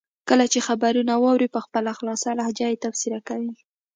کله چې خبرونه واوري په خپله خالصه لهجه تبصرې کوي.